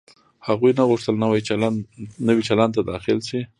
هغوی نه غوښتل نوي چلند ته داخل شي.